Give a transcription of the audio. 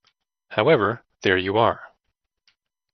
However, there you are.